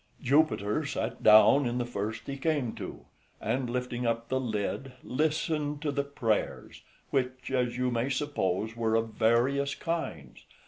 Jupiter sat down in the first he came to, and lifting up the lid, listened to the prayers, which, as you may suppose, were of various kinds.